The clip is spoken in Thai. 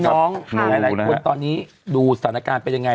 น้องหลายคนตอนนี้ดูสถานการณ์เป็นยังไง